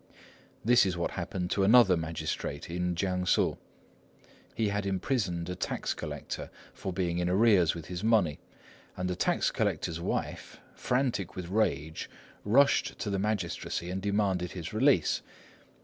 This is what happened to another magistrate in Kiangsu. He had imprisoned a tax collector for being in arrears with his money; and the tax collector's wife, frantic with rage, rushed to the magistracy and demanded his release.